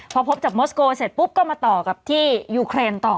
พอพบจากโมสโกเสร็จปุ๊บก็มาต่อกับที่ยูเครนต่อ